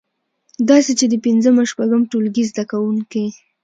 داسې چې د پنځم او شپږم ټولګي زده کوونکی